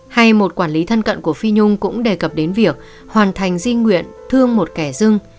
hay một quản lý thân cận của phi nhung cũng đề cập đến việc hoàn thành di nguyện thương một kẻ dưng